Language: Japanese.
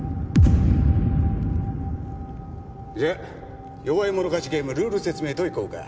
じゃあ弱い者勝ちゲームルール説明といこうか。